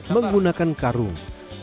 tiga menggunakan karung